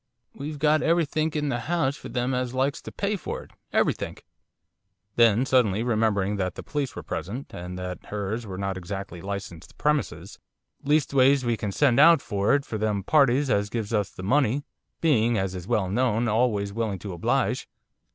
'We've got everythink in the 'ouse for them as likes to pay for it, everythink.' Then, suddenly remembering that the police were present, and that hers were not exactly licensed premises, 'Leastways we can send out for it for them parties as gives us the money, being, as is well known, always willing to oblige.